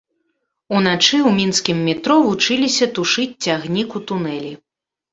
Уначы ў мінскім метро вучыліся тушыць цягнік у тунэлі.